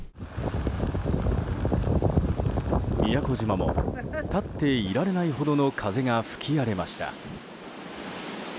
宮古島も立っていられないほどの風が吹き荒れました。